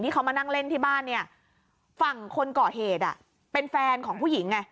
เขามานั่งเล่นที่บ้านเนี่ยฝั่งคนก่อเหตุเป็นแฟนของผู้หญิงไง